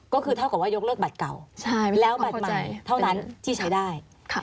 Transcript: ก็คือเท่ากับว่ายกเลิกบัตรเก่าแล้วบัตรใหม่เท่านั้นที่ใช้ได้